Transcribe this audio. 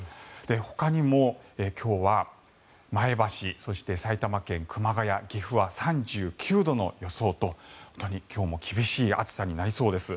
ほかにも今日は前橋そして埼玉県熊谷、岐阜は３９度の予想と、本当に今日も厳しい暑さになりそうです。